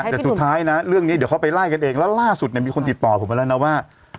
แต่สุดท้ายเรื่องนี้เขาไปไล้กันเองและล่าสุดมีคนติดต่อผมแล้วว่า